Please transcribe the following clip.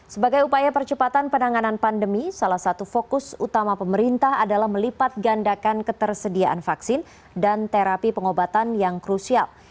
sebagai upaya percepatan penanganan pandemi salah satu fokus utama pemerintah adalah melipat gandakan ketersediaan vaksin dan terapi pengobatan yang krusial